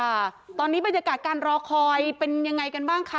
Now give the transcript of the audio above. ค่ะตอนนี้บรรยากาศการรอคอยเป็นยังไงกันบ้างคะ